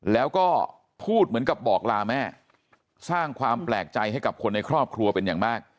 แล้วก็พูดเหมือนกับบอกลาแม่สร้างความแปลกใจให้กับคนในครอบครัวเป็นอย่างมาก